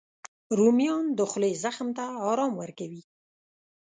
رومیان د خولې زخم ته ارام ورکوي